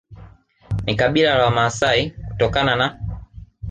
ni kabila la Wamasai kutokana na